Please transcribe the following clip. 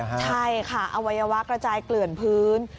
ใช่ค่ะอวัยวะกระจายเกลื่อนพื้น